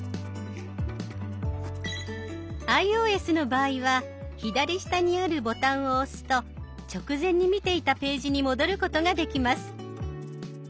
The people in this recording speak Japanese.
ｉＯＳの場合は左下にあるボタンを押すと直前に見ていたページに戻ることができます。